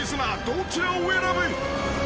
［どちらを選ぶ？］